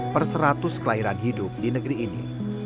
per seratus kelahiran hidup di negeri ini